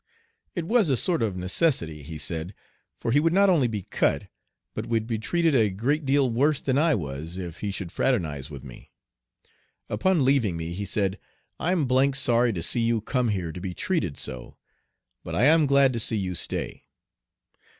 It was a sort of necessity, he said, for he would not only be "cut," but would be treated a great deal worse than I was if he should fraternize with me. Upon leaving me he said, "I'm d d sorry to see you come here to be treated so, but I am glad to see you stay."